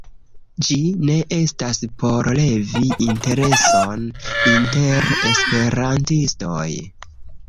Ĝi ne estas por levi intereson inter Esperantistoj.